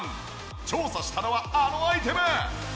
調査したのはあのアイテム！